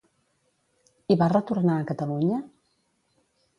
I va retornar a Catalunya?